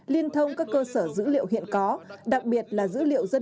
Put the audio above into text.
liên thông các cơ sở dữ liệu hiện có đặc biệt là dữ liệu dân cư của bộ công an